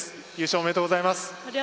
おめでとうございます。